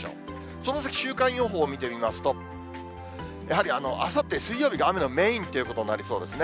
その先週間予報を見てみますと、やはりあさって水曜日が雨のメインということになりそうですね。